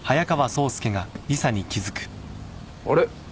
あれ？